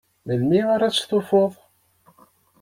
Melmi ara testufuḍ?